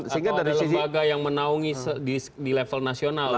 atau ada lembaga yang menaungi di level nasional